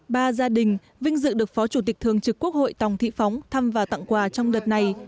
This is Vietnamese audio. ba gia đình vinh dự được phó chủ tịch thường trực quốc hội tòng thị phóng thăm và tặng quà trong đợt này